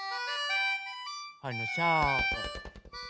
あのさ。